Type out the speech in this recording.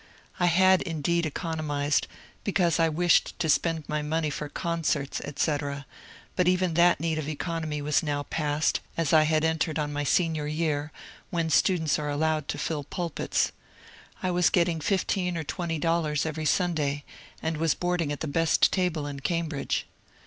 I had indeed economized, because I wished to spend my money for concerts, etc., but eyen that need of economy was now past, as I had entered on my Senior year, when students are allowed to fill pulpits. I was getting fifteen or twenly dollars every Sunday, and was boarding at the best table in Cambridge.